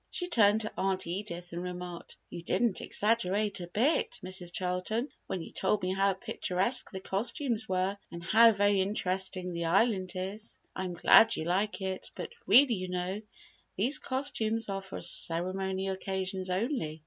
She turned to Aunt Edith and remarked, "You didn't exaggerate a bit, Mrs. Charlton, when you told me how picturesque the costumes were and how very interesting the Island is." "I am glad you like it, but really you know, these costumes are for ceremonial occasions only.